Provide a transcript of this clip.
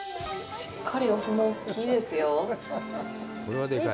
しっかりお麩も大きいですよ。